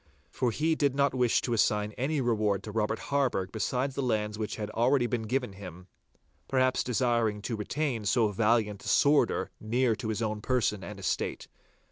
For he did not wish to assign any reward to Robert Harburgh besides the lands which had already been given him, perhaps desiring to retain so valiant a sworder near to his own person and estate.